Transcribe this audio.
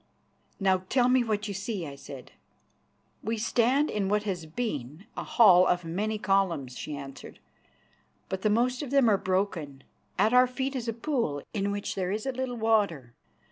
"Now tell me what you see," I said. "We stand in what has been a hall of many columns," she answered, "but the most of them are broken. At our feet is a pool in which there is a little water.